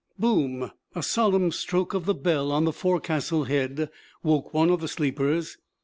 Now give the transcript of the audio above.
Boom! A solemn stroke of the bell on the forecastle head woke one of the sleepers.